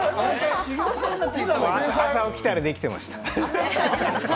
朝起きたらできてました。